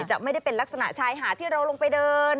จะไม่ได้เป็นลักษณะชายหาดที่เราลงไปเดิน